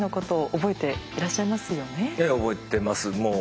ええ覚えてます。